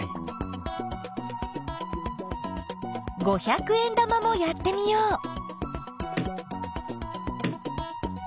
五百円玉もやってみよう。